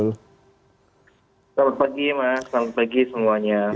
selamat pagi mas selamat pagi semuanya